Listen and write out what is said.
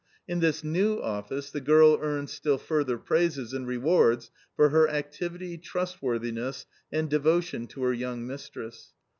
In this new office the girl earned still further praises and rewards for her activity, trustworthiness, and devotion to her young mistress.